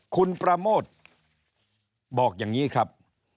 คุณปราโมทบอกอย่างนี้ครับ